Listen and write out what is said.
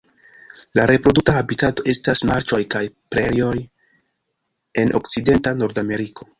La reprodukta habitato estas marĉoj kaj prerioj en okcidenta Nordameriko.